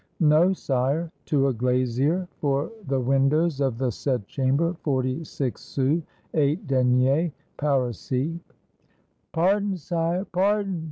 "No, sire. To a glazier, for the windows of the said chamber, forty six sous, eight deniers parisis." 213 FRANCE "Pardon, sire! pardon!